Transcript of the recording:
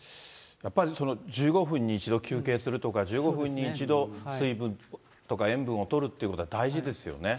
やっぱり、１５分に１度、休憩するとか、１５分に１度、水分とか塩分をとるってことは大事ですよね。